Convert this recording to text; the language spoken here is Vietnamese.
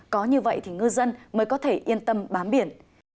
có như vậy thì ngư dân mới có thể yên tâm bám biển